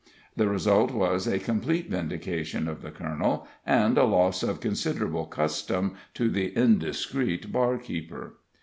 The result was a complete vindication of the colonel, and a loss of considerable custom to the indiscreet barkeeper.